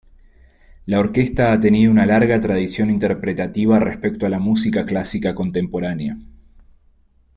La orquesta ha tenido una larga tradición interpretativa respecto a la música clásica contemporánea.